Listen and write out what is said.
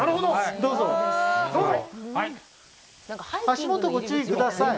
足元ご注意ください。